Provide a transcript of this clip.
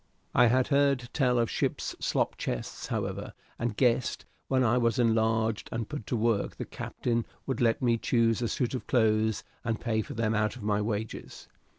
I had heard tell of ships' slop chests, however, and guessed, when I was enlarged and put to work, the captain would let me choose a suit of clothes and pay for them out of my wages.